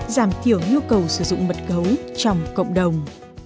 giảm thiểu nhu cầu sử dụng mật cấu trong cộng đồng